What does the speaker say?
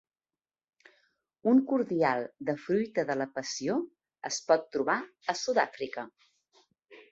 Un cordial de fruita de la passió es pot trobar a Sud-Àfrica.